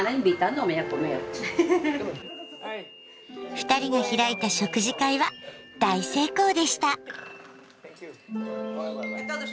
二人が開いた食事会は大成功でした。